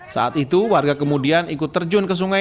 saat itu warga kemudian ikut terjun ke sungai